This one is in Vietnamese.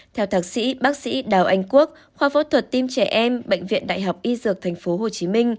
theo thạc sĩ bác sĩ đào anh quốc khoa phẫu thuật tim trẻ em bệnh viện đại học y dược tp hcm